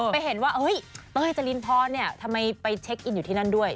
ไปเห็นว่าเต้ยจรินพรเนี่ยทำไมไปเช็คอินอยู่ที่นั่นด้วย